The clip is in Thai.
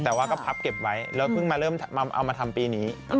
แต่ว่าก็พับเก็บไว้แล้วเพิ่งมาเริ่มเอามาทำปีนี้